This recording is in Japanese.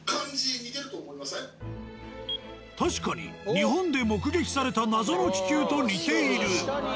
確かに日本で目撃された謎の気球と似ている。